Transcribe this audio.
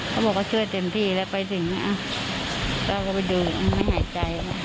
เขาบอกว่าช่วยเต็มที่แล้วไปถึงเราก็ไปดูไม่หายใจ